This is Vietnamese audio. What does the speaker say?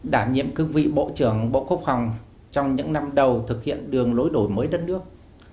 đảm nhiệm cương vị bộ trưởng bộ quốc phòng trong những năm đầu thực hiện đường lối đổi mới đất nước